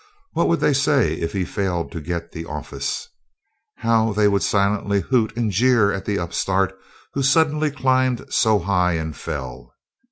What would they say if he failed to get the office? How they would silently hoot and jeer at the upstart who suddenly climbed so high and fell.